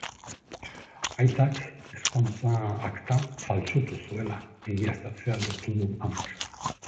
Aitak ezkontza akta faltsutu zuela egiaztatzea lortu du amak.